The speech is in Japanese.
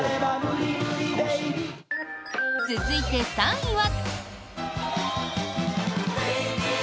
続いて、３位は。